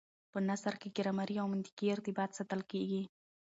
په نثر کي ګرامري او منطقي ارتباط ساتل کېږي.